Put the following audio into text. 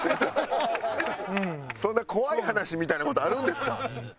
そんな怖い話みたいな事あるんですか？